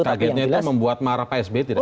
kagetnya itu membuat marah psb tidak